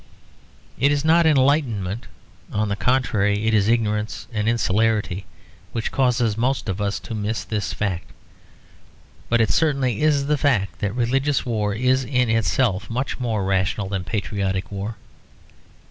It is not enlightenment, on the contrary it is ignorance and insularity, which causes most of us to miss this fact. But it certainly is the fact that religious war is in itself much more rational than patriotic war.